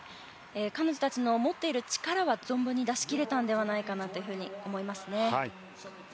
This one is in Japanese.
彼女たちが持っている力は存分に出し切れたのではないかと思いますね。